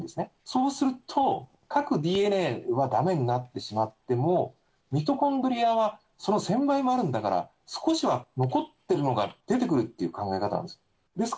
そうすると、核ＤＮＡはだめになってしまっても、ミトコンドリアは、その１０００倍もあるんだから、少しは残ってるのが出てくるという考え方なんです。